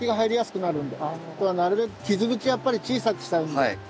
なるべく傷口はやっぱり小さくしたいんで。